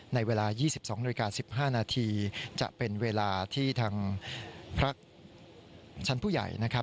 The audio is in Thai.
ในเวลา๒๒นาฬิกา๑๕นาทีจะเป็นเวลาที่ทางพระชั้นผู้ใหญ่นะครับ